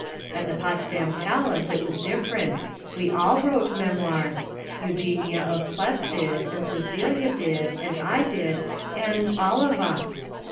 At the Potsdam palace it was different. We all wrote memoirs. Eugenia of Pless did, and Cecilia did, and I did, and all of us.